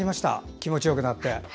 気持ちよくなって。